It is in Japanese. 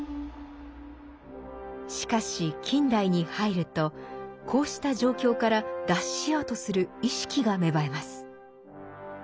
しかし近代に入るとこうした状況から脱しようとする意識が芽生えます。